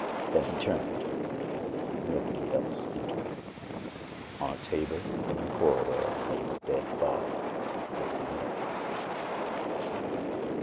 Then he turned. Nobody else entered. On a table in the corridor lay the dead body of Burton Duff.